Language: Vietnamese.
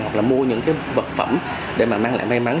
hoặc là mua những cái vật phẩm để mà mang lại may mắn